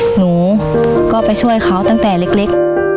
หนูก็ไปช่วยเขาตั้งแต่เล็ก